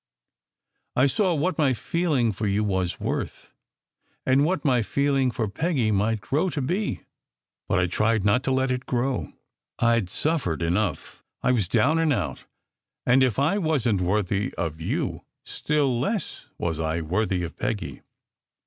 I saw what my feeling for you was worth, and what my feeling for Peggy might grow to be. But I tried not to let it grow. I d suffered enough. I was down and out, and if I wasn t worthy of you, still less was I worthy of Peggy.